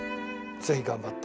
ぜひ頑張って。